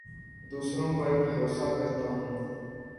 دوسروں پر بھروسہ کرتا ہوں